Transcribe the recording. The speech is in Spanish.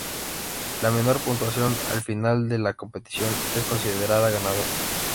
La menor puntuación al final de la competición es considerada ganadora.